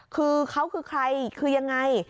คือเขาคือใครคือยังไง